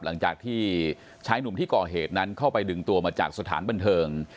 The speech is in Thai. หลังจากที่ชายหนุ่มที่ก่อเหตุนั้นเข้าไปดึงตัวมาจากสถานบันเทิง